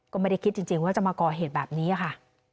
ก็ไม่ได้คิดจริงว่าจะมาก่อเหตุแบบนี้ค่ะ